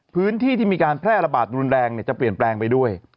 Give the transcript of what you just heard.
พื้นที่ที่มีการแพร่ระบาดรุนแรงจะเปลี่ยนแปลงไปด้วย